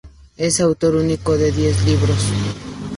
Es autor único de diez libros.